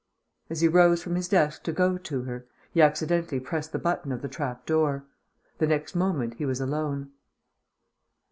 As he rose from his desk to go to her, he accidentally pressed the button of the trap door. The next moment he was alone.